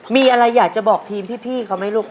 มีอะไรอยากจะบอกทีมพี่เขาไหมลูก